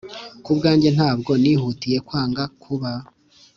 Ku bwanjye ntabwo nihutiye kwanga kuba